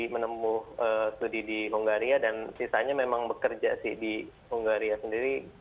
menemuh sudi di hungaria dan sisanya memang bekerja sih di hungaria sendiri